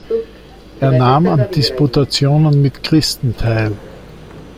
Er nahm an Disputationen mit Christen teil.